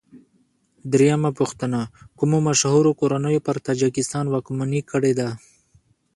درېمه پوښتنه: کومو مشهورو کورنیو پر تاجکستان واکمني کړې ده؟